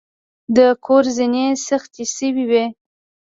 د کور زینې سختې شوې وې.